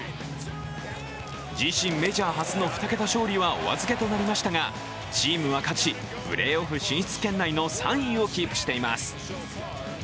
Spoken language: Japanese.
自身メジャー初の２桁勝利はお預けとなりましたがチームは勝ち、プレーオフ進出圏内の３位をキープしています。